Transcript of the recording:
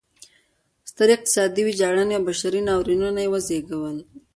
سترې اقتصادي ویجاړنې او بشري ناورینونه یې وزېږول.